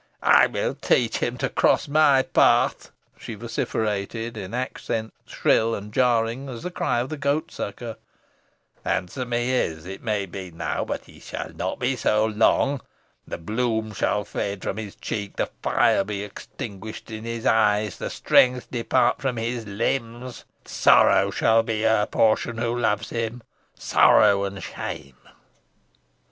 "I will teach him to cross my path," she vociferated, in accents shrill and jarring as the cry of the goat sucker. "Handsome he is, it may be, now, but he shall not be so long. The bloom shall fade from his cheek, the fire be extinguished in his eyes, the strength depart from his limbs. Sorrow shall be her portion who loves him sorrow and shame!"